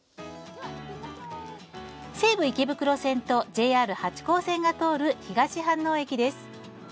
西武池袋線とＪＲ八高線が通る東飯能駅です。